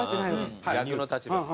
逆の立場ですね。